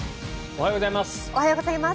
おはようございます。